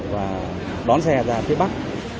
và đón xe ra phía bắc